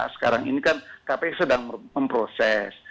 sekarang ini kan kpu sedang memproses